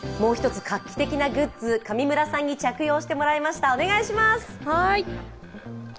もう１つ画期的なグッズ、上村さんに着用してもらいました。